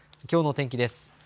きょうの天気です。